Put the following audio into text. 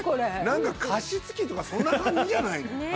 なんか加湿器とかそんな感じじゃないの？